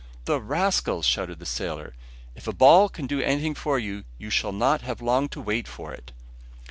"The rascals!" shouted the sailor. "If a ball can do anything for you, you shall not have long to wait for it."